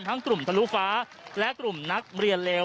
กลุ่มทะลุฟ้าและกลุ่มนักเรียนเลว